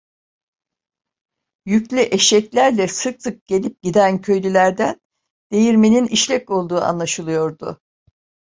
Yüklü eşeklerle sık sık gelip giden köylülerden, değirmenin işlek olduğu anlaşılıyordu.